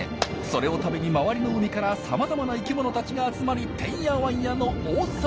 それを食べに周りの海からさまざまな生きものたちが集まりてんやわんやの大騒ぎだ！